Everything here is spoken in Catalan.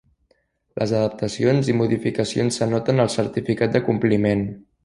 Les adaptacions i modificacions s'anoten al certificat de compliment.